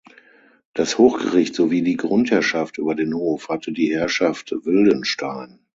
Das Hochgericht sowie die Grundherrschaft über den Hof hatte die Herrschaft Wildenstein.